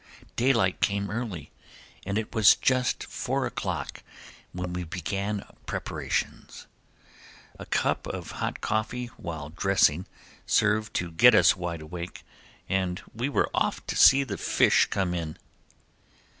Daylight came early and it was just four o'clock when we began preparations. A cup of hot coffee while dressing served to get us wide awake, and we were off to see the fish come in.